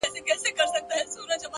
پرمختګ د ځان اصلاح ته اړتیا لري.!